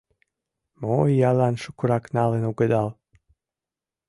Мо иялан шукырак налын огыдал?..